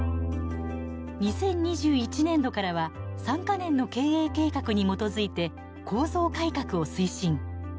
２０２１年度からは３か年の経営計画に基づいて構造改革を推進。